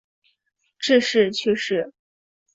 致仕去世。